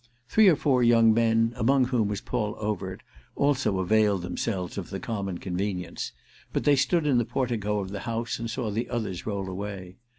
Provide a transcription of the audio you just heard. Three or four young men, among whom was Paul Overt, also availed themselves of the common convenience; but they stood in the portico of the house and saw the others roll away.